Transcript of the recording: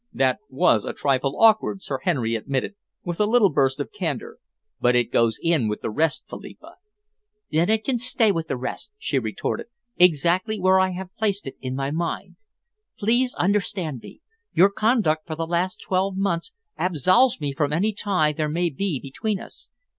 "That was a trifle awkward," Sir Henry admitted, with a little burst of candour, "but it goes in with the rest, Philippa." "Then it can stay with the rest," she retorted, "exactly where I have placed it in my mind. Please understand me. Your conduct for the last twelve months absolves me from any tie there may be between us.